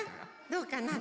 どうかな？